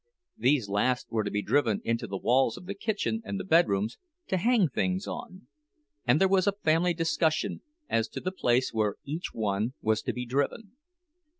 These last were to be driven into the walls of the kitchen and the bedrooms, to hang things on; and there was a family discussion as to the place where each one was to be driven.